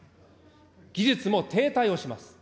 技術も停滞をします。